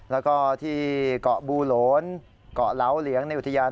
แล้วก็ที่เกาะบูโหลนเกาะเหลาเหลียงในอุทยาน